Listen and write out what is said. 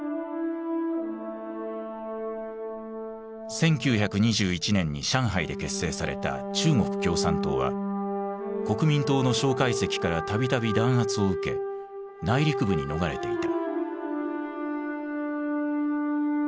１９２１年に上海で結成された中国共産党は国民党の介石からたびたび弾圧を受け内陸部に逃れていた。